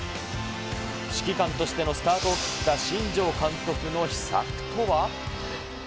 指揮官としてのスタートを切った新庄監督の秘策とは。